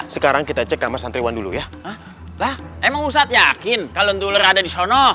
sekarang kita cek sama santriwan dulu ya lah emang ustadz yakin kalau dolar ada di sana